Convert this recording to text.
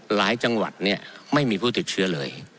หลายจังหวัดเนี่ยไม่มีผู้ติดเชื้อเลย